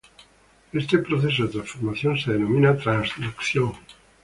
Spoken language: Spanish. Este proceso de transformación se denomina "transducción".